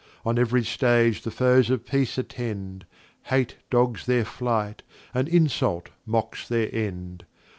On ev'ry Stage the Foes of Peace attend, Hate dogs their Flight, and Insult mocks their End.